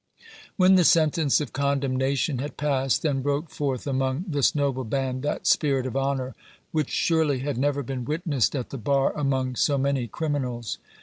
When the sentence of condemnation had passed, then broke forth among this noble band that spirit of honour, which surely had never been witnessed at the bar among so many criminals.